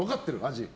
味。